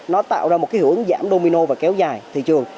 nó tạo ra một cái hướng giảm domino và kéo dài thị trường